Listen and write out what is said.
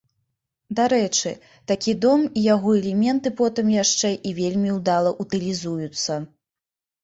Дарэчы, такі дом і яго элементы потым яшчэ і вельмі ўдала ўтылізуюцца.